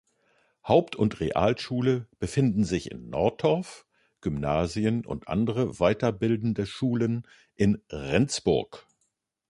Haupt- und Realschule befinden sich in Nortorf, Gymnasien und andere weiterbildende Schulen in Rendsburg.